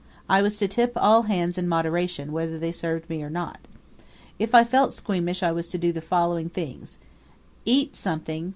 I was to tip all hands in moderation, whether they served me or not. If I felt squeamish I was to do the following things: Eat something.